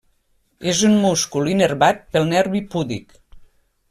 És un múscul innervat pel nervi púdic.